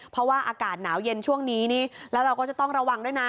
เพราะว่าอากาศหนาวเย็นช่วงนี้นี่แล้วเราก็จะต้องระวังด้วยนะ